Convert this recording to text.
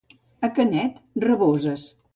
A Canet, raboses.